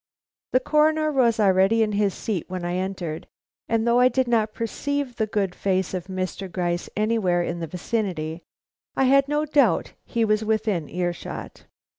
The Coroner was already in his seat when I entered, and though I did not perceive the good face of Mr. Gryce anywhere in his vicinity, I had no doubt he was within ear shot.